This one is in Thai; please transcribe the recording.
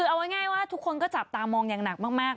คือเอาง่ายว่าทุกคนก็จับตามองอย่างหนักมาก